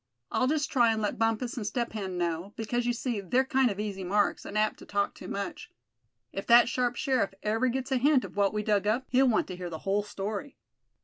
"I'll just try and let Bumpus and Step Hen know, because, you see, they're kind of easy marks, and apt to talk too much. If that sharp sheriff ever gets a hint of what we dug up, he'll want to hear the whole story."